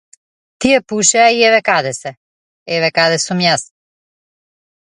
Тие пушеа и еве каде се, еве каде сум јас.